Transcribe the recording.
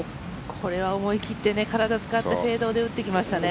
これは思い切って体を使ってフェードで打ってきましたね。